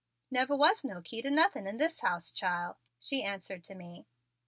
"Never was no key to nothing in this house, chile," she answered to me.